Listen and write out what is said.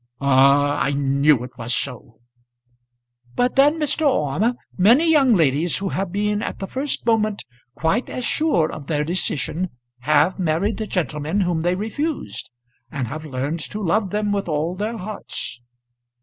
"Ah; I knew it was so." "But then, Mr. Orme, many young ladies who have been at the first moment quite as sure of their decision have married the gentlemen whom they refused, and have learned to love them with all their hearts."